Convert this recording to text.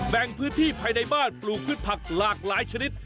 แบ่งพื้นที่ภายในบ้านปลูกพืชผักหลากหลายชนิด